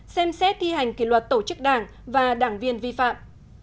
ba xem xét thi hành kỷ luật tổ chức đảng và đảng viên vi phạm